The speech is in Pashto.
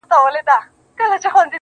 ژوند مي هيڅ نه دى ژوند څه كـړم.